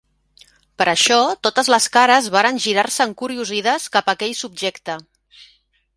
Per això totes les cares varen girar-se encuriosides cap a aquell subjecte.